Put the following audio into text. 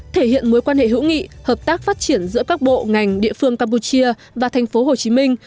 thể hiện mối quan hệ hữu nghị hợp tác phát triển giữa các bộ ngành địa phương campuchia và thành phố hồ chí minh